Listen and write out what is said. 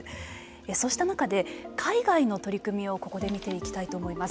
そうした中で海外の取り組みをここで見ていきたいと思います。